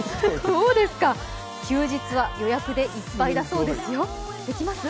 どうですか、休日は予約でいっぱいだそうですよ、できます？